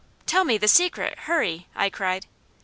"Tell me the secret, hurry!" I cried.